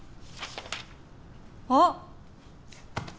あっ！